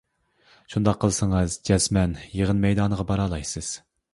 شۇنداق قىلسىڭىز جەزمەن يىغىن مەيدانىغا بارالايسىز.